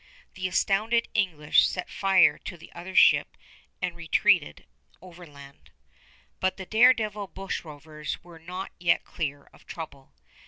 The astounded English set fire to the other ship and retreated overland. But the dare devil bushrovers were not yet clear of trouble.